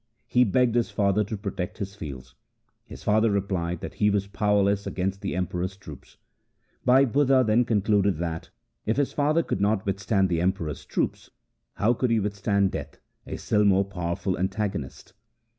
He begged his father to protect his fields. His father replied that he was powerless against the Emperor's troops. Bhai Budha then concluded that, if his father could not withstand the Emperor's troops, how could he withstand Death, a still more powerful antagonist